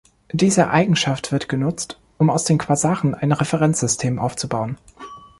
Diese Eigenschaft wird genutzt, um aus den Quasaren ein Referenzsystem aufzubauen.